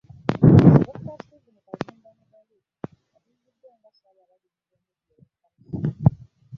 Dokita Stephen Kazimba Mugalu atuuziddwa nga ssaabalabirizi omuggya ow'ekkanisa